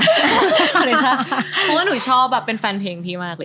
เพราะว่าหนูชอบแบบเป็นแฟนเพลงพี่มากเลย